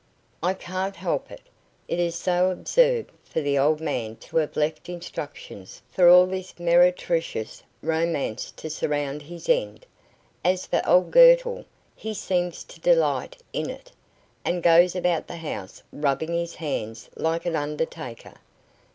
"I can't help it. It is so absurd for the old man to have left instructions for all this meretricious romance to surround his end. As for old Girtle, he seems to delight in it, and goes about the house rubbing his hands like an undertaker."